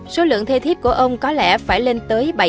số lượng thê thiếp của ông có lẽ phải lên tới